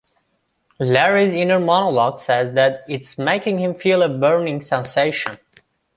Larry's inner monologue says that it's making him feel a "burning sensation".